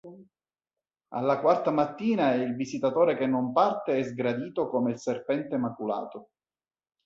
Alla quarta mattina, il visitatore che non parte è sgradito "come il serpente maculato".